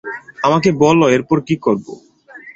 আমাকে বলো এরপর কী করবো।